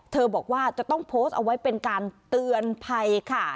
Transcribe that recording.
บอกว่าจะต้องโพสต์เอาไว้เป็นการเตือนภัยค่ะ